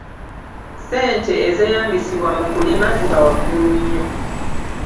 Ssente ezeeyambisibwa mu kulima ziba waggulu nnyo.